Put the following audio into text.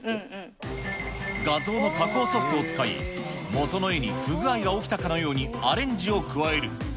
画像の加工ソフトを使い、元の絵に不具合が起きたかのようにアレンジを加える。